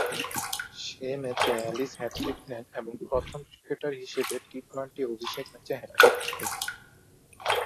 সে ম্যাচে Ellis hattrick নেন এবং প্রথম ক্রিকেটার হিসেবে টি-টোয়েন্টি অভিষেক ম্যাচে হ্যাটট্রিক করেন।